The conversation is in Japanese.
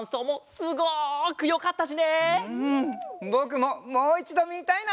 ぼくももういちどみたいな！